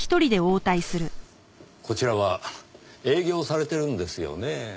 こちらは営業されてるんですよね？